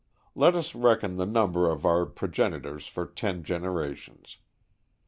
Let us reckon the number of our progenitors for ten generations.